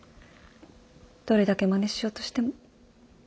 どれだけまねしようとしても。